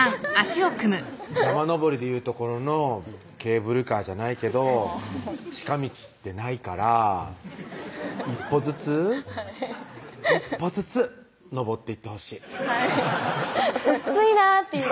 山登りでいうところのケーブルカーじゃないけど近道ってないからぁ一歩ずつ一歩ずつ登っていってほしいはいうっすいなっていう